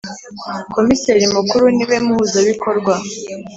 Komiseri Mukuru niwe muhuzabikorwa